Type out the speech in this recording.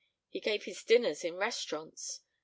. he gave his dinners in restaurants.